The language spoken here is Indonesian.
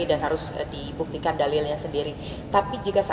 dan harus dibuktikan dalilnya sendiri